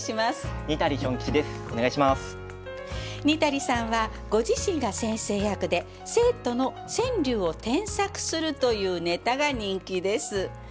にたりさんはご自身が先生役で生徒の川柳を添削するというネタが人気です。